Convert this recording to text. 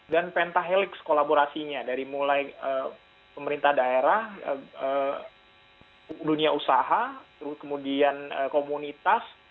dan pentahelix kolaborasinya dari mulai pemerintah daerah dunia usaha kemudian komunitas